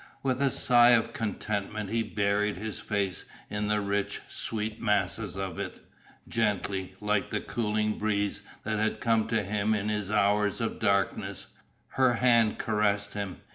With a sigh of contentment he buried his face in the rich, sweet masses of it. Gently, like the cooling breeze that had come to him in his hours of darkness, her hand caressed him.